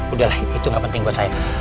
udah lah itu gak penting buat saya